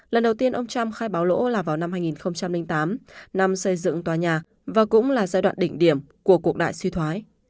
lần đầu tiên ông trump khai báo lỗ là vào năm hai nghìn tám năm xây dựng tòa nhà và cũng là giai đoạn đỉnh điểm của cuộc đại suy thoái